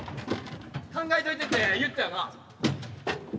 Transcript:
考えといてって言ったよな？